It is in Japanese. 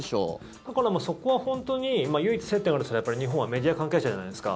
だから、そこは本当に唯一接点がある人は日本はメディア関係者じゃないですか。